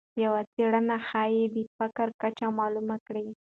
یوه څېړنه ښایي د فقر کچه معلومه کړي.